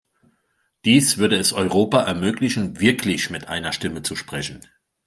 Dies würde es Europa ermöglichen, wirklich mit einer Stimme zu sprechen.